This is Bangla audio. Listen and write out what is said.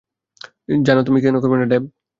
জানি তুমি কেন করবে না, ডেভ।